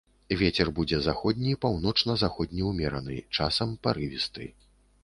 Вецер будзе заходні, паўночна-заходні ўмераны, часам парывісты.